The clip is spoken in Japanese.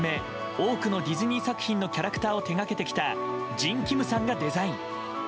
多くのディズニー作品のキャラクターを手掛けてきたジン・キムさんがデザイン。